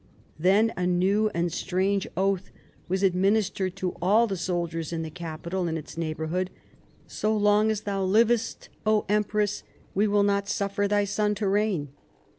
Then a new and strange oath was administered to all the soldiers in the capital antl its neighborhood. " So long as thou livest, O Empress ! we will not suffer thy son to reign."